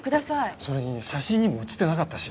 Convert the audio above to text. それに写真にも写ってなかったし。